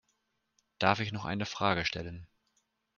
Darf ich noch eine Frage stellen?